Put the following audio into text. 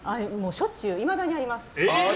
しょっちゅういまだにあります。